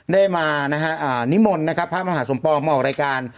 ได้มานะฮะนิมนต์นะครับพระมหาสมปองมาออกรายการ